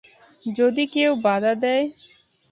যদি কেউ বাদা দেয়।